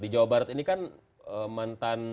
di jawa barat ini kan mantan